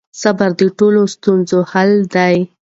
صبر د ټولو ستونزو حل دی.